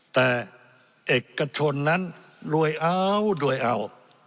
แต่เอกชนนั้นรวยเอารวยเอา